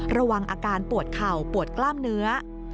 ระวังอาการปวดเข่าปวดกล้ามเนื้อ